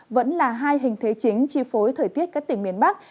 vẫn là hai hình thế chính chi phối thời tiết các tỉnh miền bắc